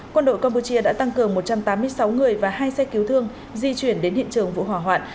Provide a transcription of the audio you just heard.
quân đội campuchia đã tăng cường một trăm tám mươi sáu người và hai xe cứu thương di chuyển đến hiện trường vụ hỏa hoạn